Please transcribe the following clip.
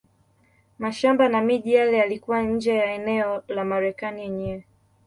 Mashamba na miji yale yalikuwa nje ya eneo la Marekani yenyewe.